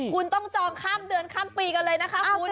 คุณต้องจองข้ามเดือนข้ามปีกันเลยนะคะคุณ